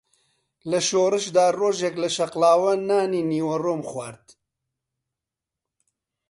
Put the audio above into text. لە شۆڕشدا ڕۆژێک لە شەقڵاوە نانی نیوەڕۆم خوارد